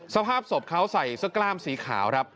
สภาพศพเขาใส่ซะกล้ามสีขาว